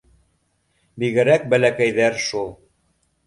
Бигерәк бәләкәйҙәр шул.